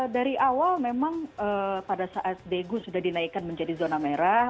dari awal memang pada saat daegu sudah dinaikkan menjadi zona merah